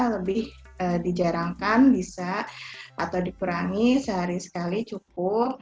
lebih di jarangkan bisa atau dikurangi sehari sekali cukup